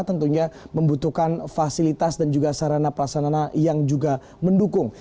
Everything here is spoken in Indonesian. tentunya membutuhkan fasilitas dan juga sarana prasarana yang juga mendukung